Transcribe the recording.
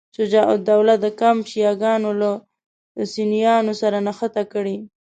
شجاع الدوله د کمپ شیعه ګانو له سنیانو سره نښته کړې.